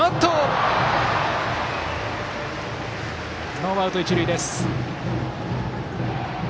ノーアウト、一塁です。